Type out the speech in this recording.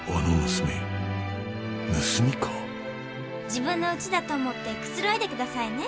自分のうちだと思ってくつろいで下さいね。